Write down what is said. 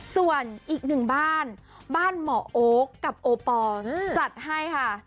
ส่วนอีกหนึ่งบ้านบ้านหมอโอ๊คกับโอปอล์จัดให้ค่ะ